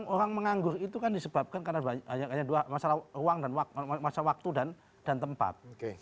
orang menganggur itu kan disebabkan karena hanya masalah ruang dan tempat